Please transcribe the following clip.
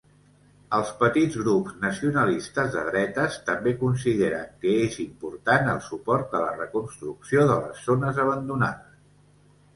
Els petits grups nacionalistes de dretes també consideren que és important el suport a la reconstrucció de les zones abandonades.